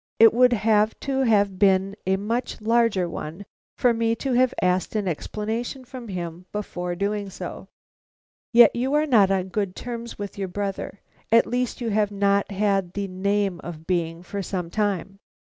It would have to have been a much larger one for me to have asked an explanation from him before doing so." "Yet you are not on good terms with your brother; at least you have not had the name of being, for some time?"